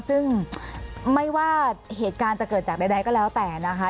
ซึ่งไม่ว่าเหตุการณ์จะเกิดจากใดก็แล้วแต่นะคะ